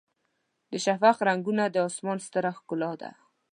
د شفق رنګونه د اسمان ستره ښکلا ده.